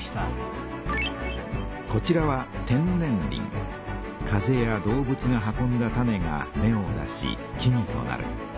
こちらは風や動物が運んだ種が芽を出し木々となる。